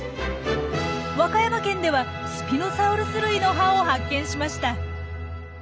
和歌山県ではスピノサウルス類の歯を発見しました。